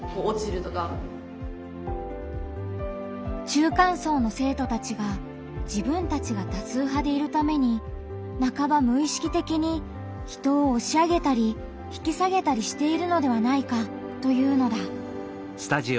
中間層の生徒たちが自分たちが多数派でいるために半ば無意識的に人を押し上げたり引き下げたりしているのではないかというのだ。